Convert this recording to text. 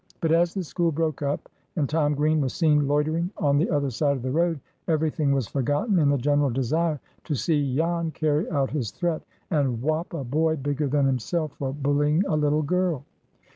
But as the school broke up, and Tom Green was seen loitering on the other side of the road, every thing was forgotten in the general desire to see Jan carry out his threat, and "whop" a boy bigger than himself for bullying a little girl.